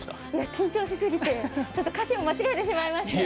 緊張しすぎて歌詞を間違えてしまいまして。